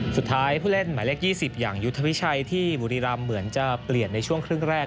ผู้เล่นหมายเลข๒๐อย่างยุทธวิชัยที่บุรีรำเหมือนจะเปลี่ยนในช่วงครึ่งแรก